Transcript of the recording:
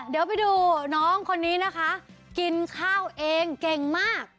เดี๋ยวไปดูน้องคนนี้นะคะกินข้าวเองเก่งมาก